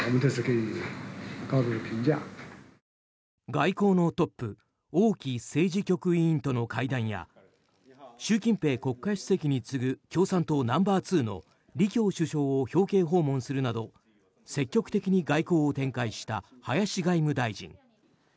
外交のトップ王毅政治局委員との会談や習近平国家主席に次ぐ共産党ナンバーツーの李強首相を表敬訪問するなど積極的に外交を展開した林外務大臣。